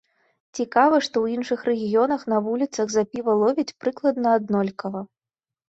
Цікава, што ў іншых рэгіёнах на вуліцах за піва ловяць прыкладна аднолькава.